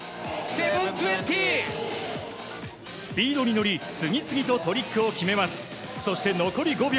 スピードに乗り次々ととトリックを決めます。